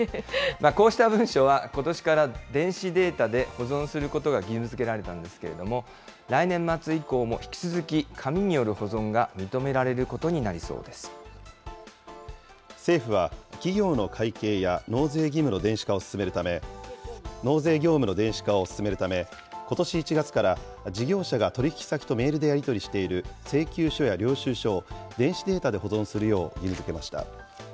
こうした文書は、ことしから電子データで保存することが義務づけられたんですけれども、来年末以降も引き続き紙による保存が政府は、企業の会計や納税業務の電子化を進めるため、ことし１月から事業者が取り引き先とメールでやり取りしている請求書や領収書を電子データで保存するよう義務づけました。